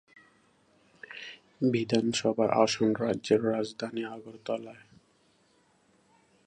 বিধানসভার আসন রাজ্যের রাজধানী আগরতলায়।